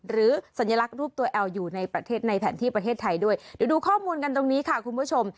สัญลักษณ์รูปตัวแอลอยู่ในประเทศในแผนที่ประเทศไทยด้วยเดี๋ยวดูข้อมูลกันตรงนี้ค่ะคุณผู้ชม